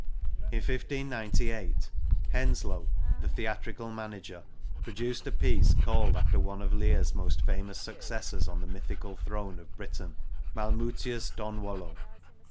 In 2%*) Henslowe, the theatrical manager, produced a piece called after one of Lear's most famous successors on the mythical throne of Britain, Malmutius Donwallow.